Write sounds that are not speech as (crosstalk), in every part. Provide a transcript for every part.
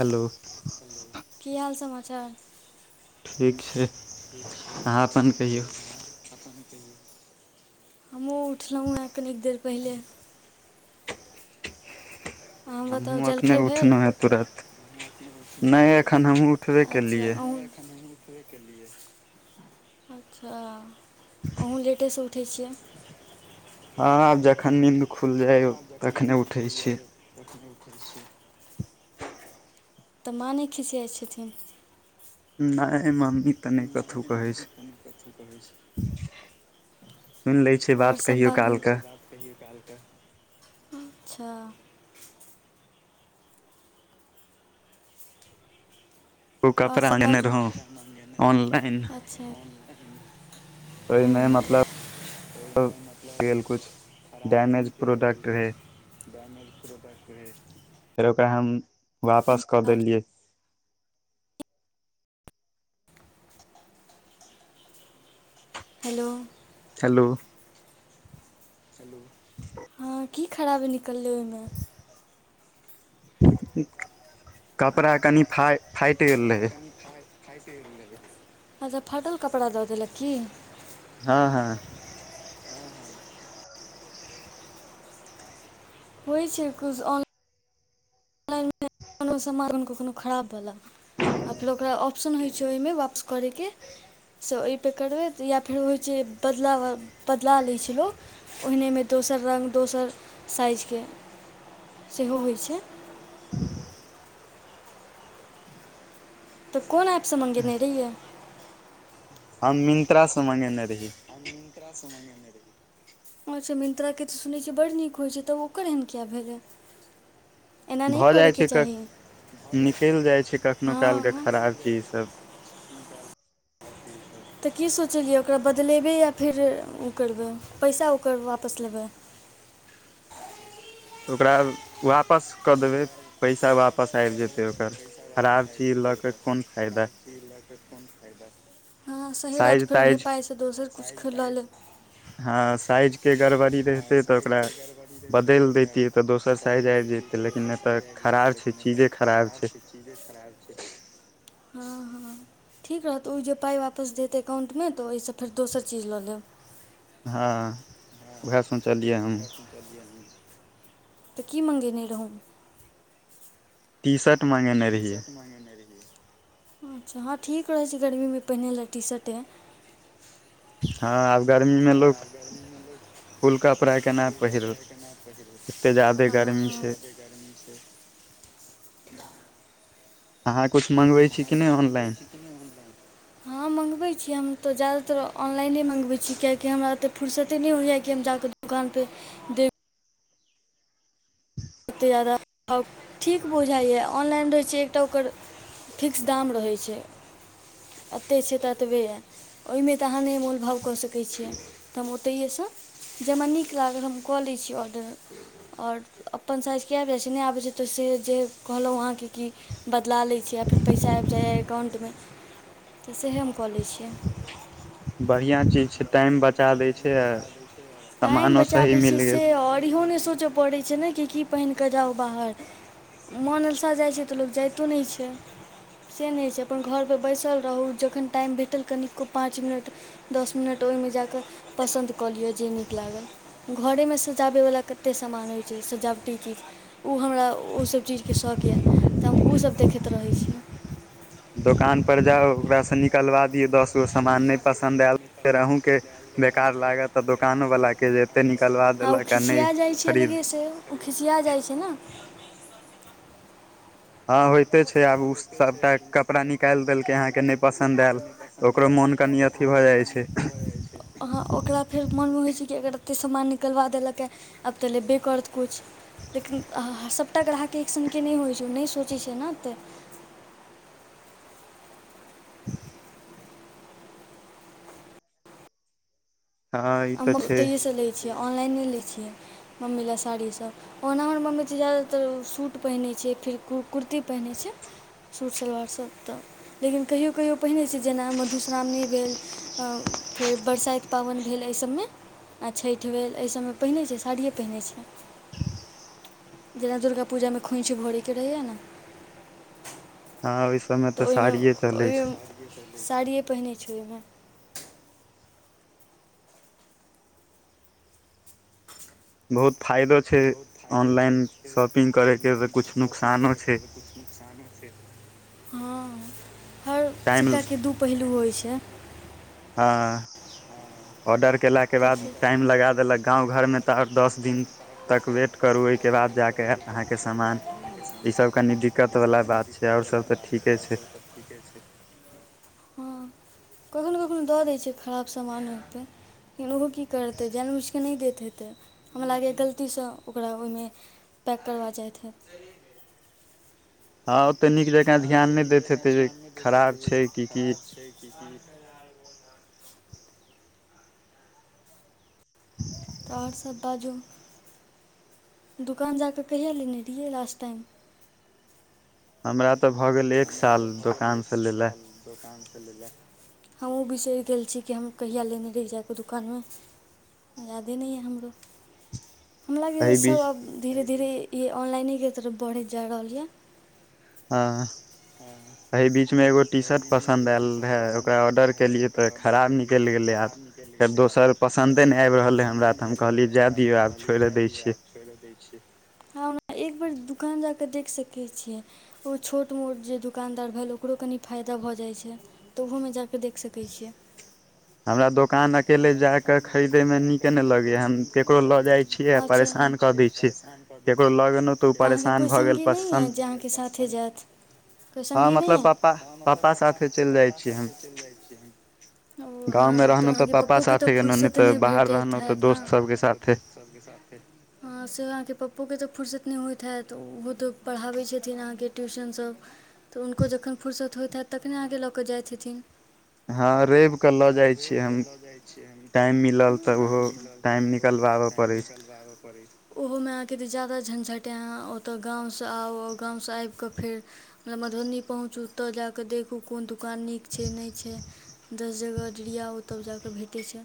Hello कि हाल समाचार ठीक छै आहाँ अपन कहियौ हमहुँ उठलहुँ हें कनिक देर पहिले अहाँ बताउ हमहुँ अखने जलखै भेल उठलहुँ हेँ तुरत अच्छा अहूं (unintelligible) अच्छा अहूँ लेटेसँ उठै छियै हँ हँ जखन नींद खुल जाय है जखन नींद खुइल जाय तखने उठै छियै तऽ माँ नै खिसियाइ छथिन नै मम्मी तऽ नै कथु कहै छै सुनि लै छै बात कहियो कालकऽ कहियो काल कऽ अच्छा ओ और कपड़ा सब आनने बाजू रहौं ऑनलाइन (unintelligible) अच्छा ओय में मतलब (unintelligible) गेल कुछ डैमेज प्रोडक्ट रहै (unintelligible) फेर ओकरा हम वापस कऽ देलियै हेलो हेलो (inaudible) (unintelligible) हँ की खराबी निकललै ओय मे कपड़ा कनि फाई फाटि गेल रहै अफ (unintelligible) फाइट गेल रहै अच्छा फाटल कपड़ा द देलक की हँ हँ होय छै कुछ ऑल नहि (unintelligible) कोनो सामान (unintelligible) कोनो खराब वला आ फेर ओकरा ऑप्शन होइ छै ओहिमे वापस करै के से ओय पे करवय या फेर होइत छै बदला बदला लैत छै लोक ओहिने मे दोसर रंग दोसर साइज के सेहो होइ छै (inaudible) तऽ कोन ऐप सँ मँगेने रहियै हम मिन्त्रा सँ मांगेने रहीयै हम मिन्त्रा सँ मांगेने रहीये अच्छा मिन्त्रा के तऽ सुनै छियै बड्ड नीक होइ छै तऽ ओकर एहन किए भेलै एना नहि भऽ जाइ करैके छै क चाही निकलि जाइ छै कखनो हँ काल क हँ खराब चीज सब (unintelligible) तऽ की सोचलियै ओकरा बद द लेबै या फेर ओ करबै पैसा ओकर वापस लेबै ओकरा आब वापस कऽ देबै पैसा वापस आबि जेतै ओकर खराब चीज लऽ कऽ कोन फायदा (unintelligible) हँ सही रहत साइज फेर उहे ताइज पाइसँ दोसर कुछ ख ल लेब हँ साइज के गड़बड़ी रहितै तऽ ओकरा बदलि देैतियै तऽ दोसर साइज आबि जतै लेकिन एत खराब छै चीजे खराब छै चीजे खराब छै हँ हँ ठीक रहत तऽ ओय जे पाइ वापस देत एकाउंटमे तऽ ओहिसँ फेर दोसर चीज लऽ लेब हँ वेएहे सोचलिया हमु कलिी (unintelligible) तऽ की मँगेने रहौं टीशर्ट मँगेने रहियै म नहि रै (unintelligible) अच्छा हँ ठीक रहै छै गर्मी मे पहिन ला टीशर्टे हँ आब गर्मी मे लोठ फूल कपड़ा केना पहिरब एते जादे गरमी छै गर्मीसँ (unintelligible) अहाँ कूछ मँंगबै छी कि नै ऑनलाइन क उै (unintelligible) हँ मँगबै छी हम तऽ जादातर ऑनलाइने मँगबैत छी कियकि हमरा ओते फुरर्सते नहि होइयए कि हम जाकऽ दुकान पे ओतेक जादा आ ठीक बुझाइए ऑनलाइन रहैत छै एकटा ओकर फिक्स दाम रहैत छै एतय छै तऽ एतबेए य ओहिमे तऽ अहाँ नहि मोलभाव कऽ सकै छियै तऽ हम ओतहिएसँ जेम नीक लागल हम कऽ लै छीयै ऑर्डर आओर अपन साइज किया आबि जाइ छै नै आबै छै तऽ से जे कहलहुँ अहाँके कि बदला लै छीय आ फेर पैसा आबि जाइए एटाउंट मे तऽ सएह हम कऽ लै छियै। बढ़िआँ चीज छै टाइम बचा दै छै अ। टाइम बचाबै छयै से आओर इहो नहि सोचय पड़ैत छै ने कि की पहिन कऽ जाउ बाहर। मोन अलसा जाइ छै तऽ लोक जाइतो नै छै। से नै होइ छै अपन घरपर बैसल रहू जखन टाइम भेटल कनिको पाँच मिनट दस मिनट ओहिमे जा कऽ पसन्द कऽ लिय जे नि नीक लागल घरेमे सजाबैवला कतेक सामान होइत छै सजावटी चीज ओ हमरा ओसभ चीजके शौक यए तऽ हम ओसभ देखैत रहै छी। दोकान पर जाउ ओकरासँ निकलबा दियौ दस गो सामान नहि पसन्द आयल फेर आहू के बेकार लागत अऽ दोकानो वालला के जे एते निकलवा आ ओ देलक खिसिया नहि जाइ छै खरीद अलगेसँ ओ खिसिया जाइत छै ने। हँ होत होते छै आब ओ सभटा कपड़ा निकालि देलकै अहाँके नहि पसन्द आयल ओकरो मोन कनी ओकरो मोन कनि अथी भऽ जाइ छै अहाँ ओकरा फेर मोनमे होइत छै कि अगर एतेक सामान निकलवा देलकैँ आब तऽ लेबे करत कुछ। लेकिन अ अह सभटा ग्राहक एक सनके नहि होइत छै नहि सोचैत छै ने ओते। (unintelligible) हँ ई तऽ हम छै ओतहिएसँ लै छियै ऑनलाइने लै छियै मम्मी लऽ साड़ीसभ। ओना हमर मम्मी छै ज्यादातर सूट पहिनै छै फेर कु कुर्ती पहिनै छै। सूट सलवारसभ तऽ लेकिन कहियो कहियो पहिने छै जेना मधुश्रावणी भेल फेर बरसाइत पाबनि भेल। भेल एहि सभमे आ छठि भेल एहि सभमे पहिरै छै साड़ियए पहिरै छै। जेना दुर्गा पूजामे खूँछ भोरेके रहैएऽ नऽ। हँ अभि समय तऽ ओहिमे ओहिमे साड़िये पहिने छै ओहिमे। बहुत फायदो छै ऑनलाइन शॉपिंग करैके तऽ कुछ नुकसानो छै। हँ हर टाइम सिक्का कऽ दू पहलू होइ छै। हँ ऑर्डर केल के तऽ बाद टाइम लगा देलक गाँव घरमे तऽ ओर दस दिन तक वेट करू ओहिके बाद जाकऽ आत अहाँके समान ई सब कनी दिक्कत बला बात छै। आओर सब तऽ ठीके छै। हँ कखनु कखनु दऽ दै छैियै खराब सामान होतऽ। फिन ओहो की करतै जैन बुझकय नहि दैत हेतै हमरा लागैए गलतीसँ ओकरा ओहिमे पैक करबा जाइत हाइत हँ ओतऽ नीक जकाँ ध्यान नहि दैत हेतै जे खराब छै की की (unintelligible) (inaudible) तऽ आओर सभ बाजू। दोकान जाकऽ कहिया लेने रहियै लास्ट टाइम। हमरा तऽ भऽ गेल एक साल दोकानसँ लेला। दुकान स लेला। हम बिसरि गेल छी कि हम कहिया लेने रहि जाय का दुकान मऽ यादे नहि य हमरो। हमरा लगे एहि सभ बीच आब धीरे धीरे ई ऑनलाइनेके तरफ बढ़ैत जा रहल यऽ। हँ ऐय बीचमे एगो टी एहि शर्ट बीच मे एगो पसन्द टी आयल शर्ट रहए पसंद ओकरा आएल ऑर्डर रहे केलियै ओकरा तऽ ऑर्डर खराब केलिये निकलि तऽ गेलै आब खराब निकेल गेल फेर दोसर पसन्दे नहि आबि रहल हइ हमरा तऽ हम कहलिए जाए दिौ आब छोड़ि दै छी। एक बेर दुकान जााक देख सकै छियै ओ छोट मोट जे दकानदार भेल ओकरो कनि फायदा भऽ जाइ छै तऽ ओहोमे जाकऽ देख सकै छियै हमरा दोकानक हमरा दोकान अकेले जाय केँ खरीदे मे हम निक नहि ककरो लऽ लगे जाइ छियै आ परेशान कऽ दै हम छियै परेशान (inaudible) ककरो तऽ लऽ गेलहुँ तऽ ओ अहाँ केँ परेशान कोइ भऽ गेल संगी नहि यए पसन्द जे अहाँ केँ साथे जैत (unintelligible) हँ मतलब पापा हम अपना पापा पप्पा साथे चलि जाइ पप्पा छियै हम साथे चैल जाइ छिय गाँवमे रहनू तऽ पापा साथे गेलहुँ नहि फुर्सत तऽ बाहर रहनू तऽ दोस्त सब केँ साथे सब केँ साथ ह सेहो अहाँकेँ पप्पोकेँ तऽ फुर्सत नहि होइत हैत ओहो तऽ पढ़ाबैत छथिन अहाँ केँ ट्यूशनसभ तऽ हुनको जखन फुुरसत होइत हैत तखने आहाँ केँ लऽ कऽ जाइत हेथिन हँ रैव कऽ लऽ जाय छी हम (unintelligible) ओहोमे टाइम मिलल तऽ ओहो टाइम निकलबाबय पड़ै छै अहाँ केँ ज्यादा झँझटै यऽ अहाँ ओतय गाँव सऽ आउ गाँव सऽ आबि कऽ फेर मधुबनी पहुँचू ओ तऽ जा कऽ देखू कोन दुकान नीक छै नहि छै दस जगह डिरियाओ तब जा कऽ भेटै छै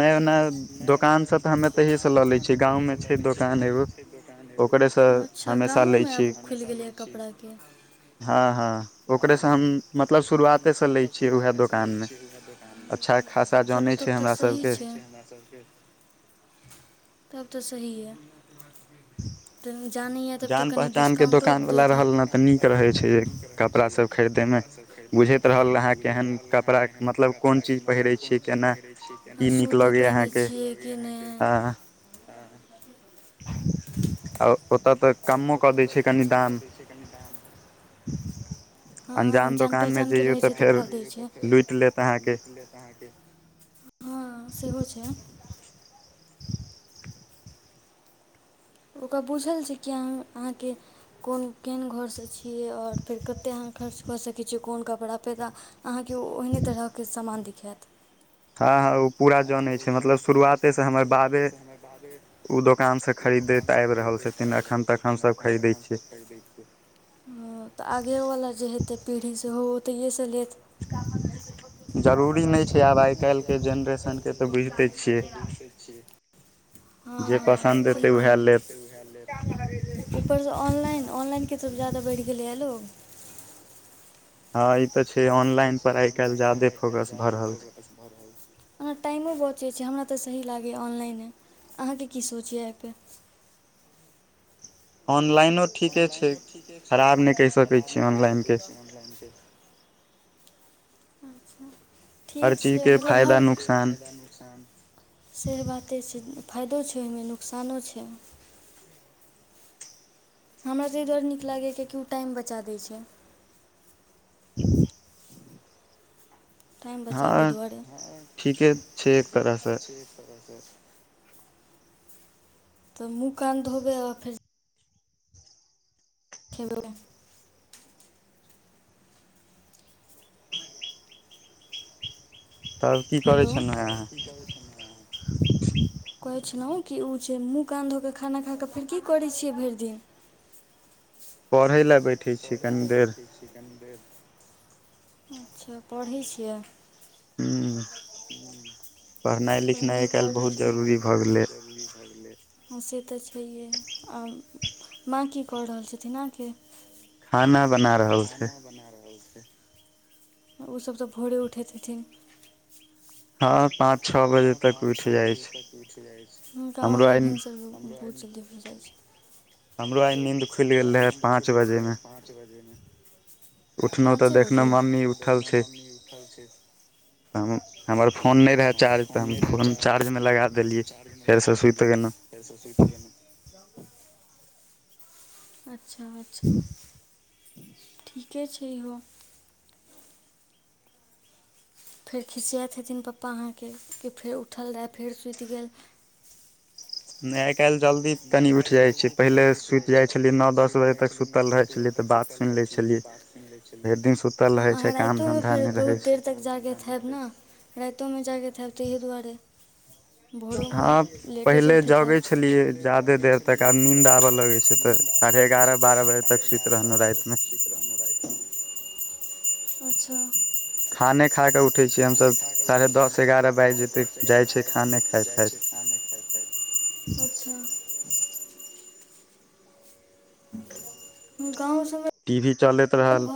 नयो नयो दोकान से तऽ हमे ऐतैहिए से लऽ ले छियै गाँव में छै दोकान एगो ओकरेसँ (unintelligible) अच्छ हमेशा गाँव लै में छियै आब खुल गेलियै कपड़ा केँ हँ हँ ओकरे से हम मतलब शुरुआते से ले छियै उएह दोकान मे अच्छा खास तै चलू जानै तब छै तऽ हमरा सही सभके है (inaudible) तब तऽ सही यऽ (unintelligible) जान पहचान केँ डिस्काउंटो दोकानवला दैत रहल हैत न तऽ नीक रहै छै जे कपड़ाभ खरीदैमे बुझैत रहल अहाँ केहन कपड़ा मतलब कोन चीज पहिरै छी (unintelligible) सूती पहिरै छियै कि नहि हँ (unintelligible) आ ओतय तऽ कमो कऽ दै छै कनि दाम (inaudible) हँ अंजान जान दोकानमे पहचानके जइयौ रहै छै तऽ फेर कऽ दै छै लुटि लेत अहाँ केँ हँ सेहो छै ओकरा पूछल छै कि अहाँकेँ कोन केहन घरसँ छी कि और फेर कतेक अहाँ खर्च कऽ सकै छियै कोन कपड़ा पे तऽ अहाँ केँ ओ ओहने तरह केँ समान दिखायत हँ ओ पूरा जानै छै मतलब शुरुआते से हमर बाबे ओ दोकानसँ खरीदैत आबि रहल छथिन एखन तखनसभ खरीदै छियै (unintelligible) हँ तऽ आगेवला जे हेतै पीढ़ी सेहो ओ तहिएसँ लेत (inaudible) जरूरी नै छै आब आइ काइल केँ जनरेसन आइ काइल केँ जेनरेशन केँ तऽ बुझिते छियै हँ जे हँ पसन्द सहि एतै उएह लेत कहलिये (inaudible) ऊपर सँ ऑनलाइन ऑनलाइन केँ तरफ ज्यादा बढ़ि गेलैए लोक हँ ई ते छै ऑनलाइन पर आइ काइल ज्यादे फोकस भ रहल छै (unintelligible) ओना टाइमो बचै छै हमरा तऽ सही लागैएा ऑनलाइने अहाँकेँ की सोच यऽ एहिपर ऑनलाइनो ठीके छै खराब नहि कहि सकैत छी ऑनलाइन केँ (unintelligible) ठीक हर छै चीजके मतलब हर फायदा नुकसान (unintelligible) सेह बाते छै फायदो छै ओहिमे नुकसानो छै हमरा तऽ इ दुआर नीक लागैए किआकि ओ टाइम बचा दैत छै (unintelligible) टाइम बचाबी हँ दुआरे ठीके छै एक ठीके तरहसँ छै एक तरह कऽ तऽ मुँह कान धोबे आ फेर खेबै तब की करै हेलो छलहुँ अहाँ कहै छलहुँ कि ओ छै मुँह कान धोके धऽ कऽ खाना खा कऽ फेर की करै छियै भरि दिन पढ़ै लऽ बेै पढ़ै लए बेटेय छैये कनि देर अच्छा पढ़ै छियै हू क भऽ गेलै बहुत जरूरी भऽ गेले हँ से तऽ छैहे आ माँ की कऽ रहल छथिन अहाँकेँ खाना बना रहल छै बना रहल छै ओसभ तऽ भोरे उठैत हथिन हँ पाँच छओ बजे ह तक पाँच छओ उठि जाइ बजे छै तक उठ जाइ छै गाँव हमरो मे आइ भिनसर बहुत जल्दी हो जाइ छै हमरो आइ खुलि हमरो गेल आई रहै नीन्द खुइज पाँच गेल रहै बजेमे पाँच बजेमे उठलहुँ तऽ पाँचे देखलहुँ बजे मम्मी उठनु तऽ उठल देखनु की छै तऽ मम्मी उठल छै हम हमर फोन नहि रहै हमर चार्ज तऽ फोन हम नहि रहए फोन चार्ज चार्जमे तऽ लगा हम देलियै चार्जमे लगा फेरसँ सुति देलियै गेलहुँ फेर सऽ सुइत गेलू (unintelligible) अच्छा अच्छा ठीके छै इहो फेर खिसियाइत हेथि पप्पा अहाँके कि फेर उठल रहय फेर सुति गेल न आय काल्हि जल्दी तनि उठि जाइ छै पहिले सुति जाइ छलियै नओ दस बजे तक सुतल रहै छलियै तऽ बात सुनि लै छलियै भेरि दिन सुतल हँ रहै अहाँ छैऽ काम रातिओमे धन्धा फेर नहि बहुत रहै छै देर तक जागे हयब नऽ रायतो मऽ जागैत हयब ताहि दुआरे भोरोमे हँ लेटेसँ उठैत हैब जगै छलियै जादे देर तक आब नीन्द आबऽ लगै छै तऽ साढ़े एगारह बारह बजे नहि अच्छा खाने खाकऽ उठै छियै हमसभ साढ़े दस एगारह बाजि जेतै जाइत छै खाने खाइत खाइत (inaudible) अच्छा गाँव सय टी भी चलैत रहल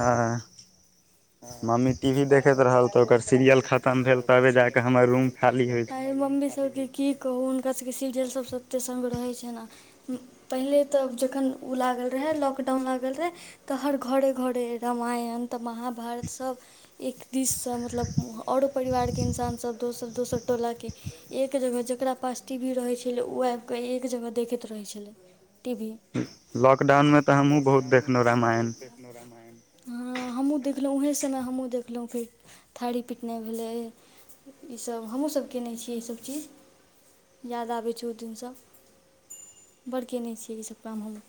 हँ मम्मी टी भी देखैत रहल तऽ छै ओकर सीरियल खतम भेल तबे जा कऽ हमर रूम खाली होइ छै आइ मम्मी सबके की कहू हुनका सबके सीरियल सब सऽ अते सङ्ग रहै छै नऽ पहिले तऽ जखन ओ लागल रहै लॉकडाउन ल भ गेल रहै तऽ हर घरे घरे रामायण तऽ महाभारत सब एक दिससँ मतलब आओरो परिवारके इन्सान सब दोसर दोसर टोलाके एक जगह जकरा पास टी वी रहै छलै ओ आब कऽ एक जगह देखैत रहै छलैय टी भी लॉकडाउन मऽ तऽ हमहुँ बहुत देखलहुँं रामायण हँ हमहूँ देखलहुँ उएहे समय हमहूँ देखलहुँ फेर थारी पीटनाइ भेलै इसभ हमहूँसभ कयने छियै इसभ चीज याद आबैत छै ओ दिनसँ बड़के नहि छियै ईसभ काम हम